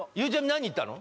何いったの？